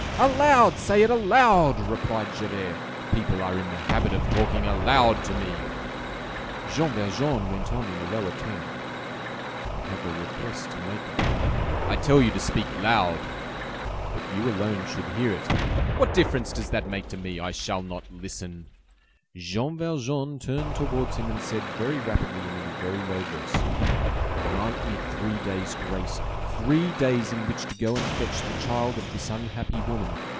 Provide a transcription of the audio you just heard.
"Aloud! Say it aloud!" replied Javert; "people are in the habit of talking aloud to me." Jean Valjean went on in a lower tone:— "I have a request to make of you—" "I tell you to speak loud." "But you alone should hear it—" "What difference does that make to me? I shall not listen." Jean Valjean turned towards him and said very rapidly and in a very low voice:— "Grant me three days' grace! three days in which to go and fetch the child of this unhappy woman.